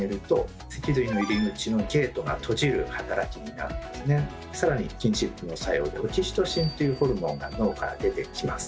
さすってあげると更にスキンシップの作用でオキシトシンというホルモンが脳から出てきます。